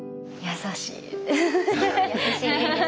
優しい。